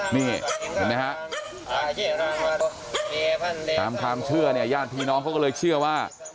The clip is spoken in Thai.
นี่เห็นไหมฮะตามความเชื่อเนี่ยญาติพี่น้องเขาก็เลยเชื่อว่า